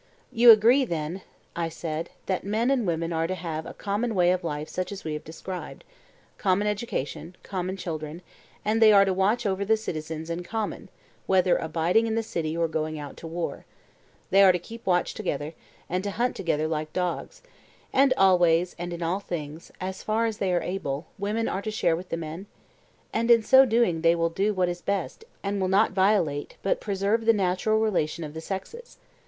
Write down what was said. You agree then, I said, that men and women are to have a common way of life such as we have described—common education, common children; and they are to watch over the citizens in common whether abiding in the city or going out to war; they are to keep watch together, and to hunt together like dogs; and always and in all things, as far as they are able, women are to share with the men? And in so doing they will do what is best, and will not violate, but preserve the natural relation of the sexes.